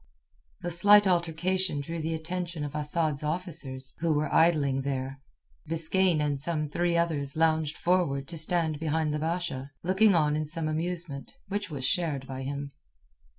The slight altercation drew the attention of Asad's officers who were idling there. Biskaine and some three others lounged forward to stand behind the Basha, looking, on in some amusement, which was shared by him.